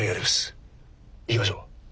行きましょう。はあ。